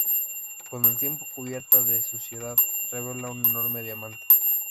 Con el tiempo, cubierta de suciedad, revela un enorme diamante.